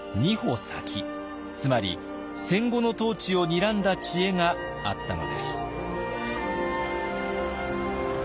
つまり戦後の統治をにらんだ知恵があったのです。